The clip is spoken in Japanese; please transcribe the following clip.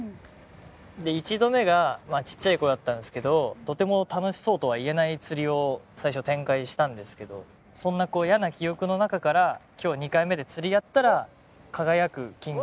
１度目がちっちゃい頃だったんですけどとても楽しそうとは言えない釣りを最初展開したんですけどそんな嫌な記憶の中から今日２回目で釣りやったら輝く金魚。